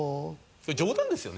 冗談ですよね？